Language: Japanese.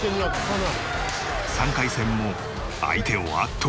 ３回戦も相手を圧倒。